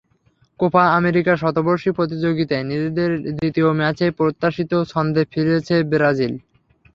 Copa America শতবর্ষী প্রতিযোগিতায় নিজেদের দ্বিতীয় ম্যাচেই প্রত্যাশিত ছন্দে ফিরেছে ব্রাজিল।